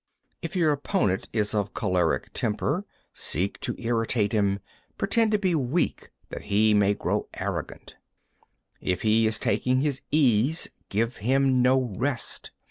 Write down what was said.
22. If your opponent is of choleric temper, seek to irritate him. Pretend to be weak, that he may grow arrogant. 23. If he is taking his ease, give him no rest.